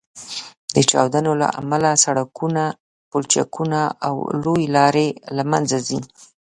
د چاودنو له امله سړکونه، پولچکونه او لویې لارې له منځه ځي